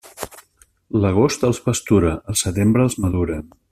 L'agost els pastura; el setembre els madura.